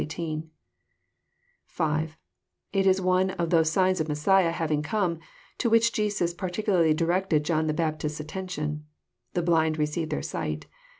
(5) It is one of those signs of Messiah having come, to which Jesus particularly directed John the Baptist's attention: <<The blind receive their sight."